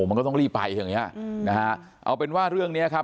มันก็ต้องรีบไปอย่างเงี้ยอืมนะฮะเอาเป็นว่าเรื่องเนี้ยครับ